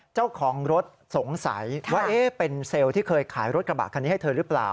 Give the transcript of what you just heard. เจ้าของรถสงสัยว่าเป็นเซลล์ที่เคยขายรถกระบะคันนี้ให้เธอหรือเปล่า